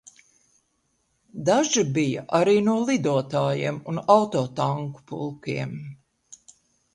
Daži bija arī no lidotājiem un autotanku pulkiem.